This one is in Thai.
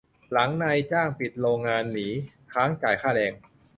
หลังนายจ้างปิดโรงงานหนี-ค้างจ่ายค่าแรง